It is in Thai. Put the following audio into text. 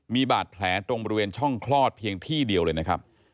มีบาดแผลตรงบริเวณช่องคลอดเพียงที่เดียวเลยนะครับ